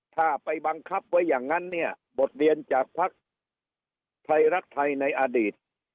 ถ้าไปบังคับไว้อย่างนั้นเนี่ยบทเรียนจากภักดิ์ไทยรักไทยในอดีต